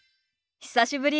久しぶり。